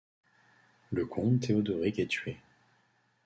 Le comte Théodoric est tué.